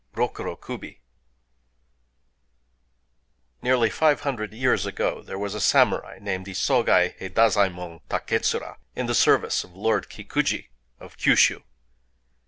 ROKURO KUBI Nearly five hundred years ago there was a samurai, named Isogai Héïdazaëmon Takétsura, in the service of the Lord Kikuji, of Kyūshū.